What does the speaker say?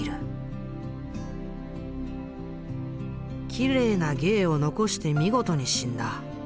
「綺麗な芸を残して見事に死んだ。